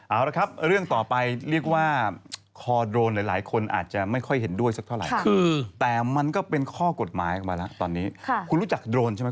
เอาละครับเรื่องต่อไปเรียกว่าคอโดรนหลายคนอาจจะไม่ค่อยเห็นด้วยสักเท่าไหร่แต่มันก็เป็นข้อกฎหมายออกมาแล้วตอนนี้คุณรู้จักโดรนใช่ไหม